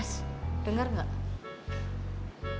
mas dengar gak